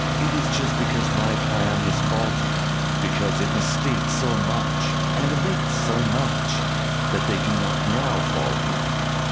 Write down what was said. It is just because my plan is faulty, because it mis states so much, and omits so much, that they do not now fall in.